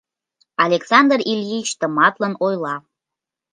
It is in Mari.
Александр Ильич тыматлын ойла: